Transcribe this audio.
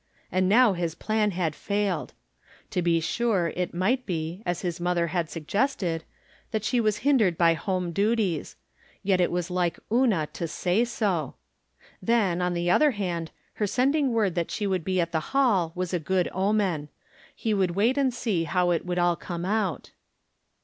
And now his plan had failed. To be sure it might bo, as his mother had suggested, that she was hindered by home duties ; yet it was like Una to say so. Then, on the other hand, her sending word that she would be at the hall was a good omen. He would wait and see how it would all come out.